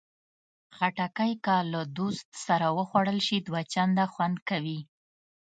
خټکی که له دوست سره وخوړل شي، دوه چنده خوند کوي.